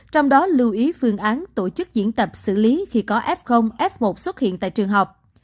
trong đó lưu ý phương án tổ chức diễn tập xử lý khi có f f một xuất hiện tại trường học